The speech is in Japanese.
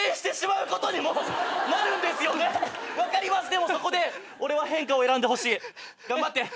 でもそこで俺は変化を選んでほしい。頑張って。